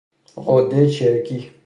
غده چرکی